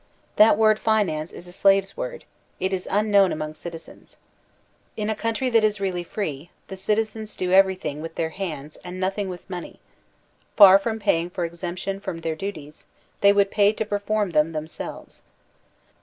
That word finance is a slave's word: it is unknown among citizens. In a country that is really free, the citizens do everything with their hands and nothing with money: far from paying for exemption from their duties, they would pay to perform them themselves.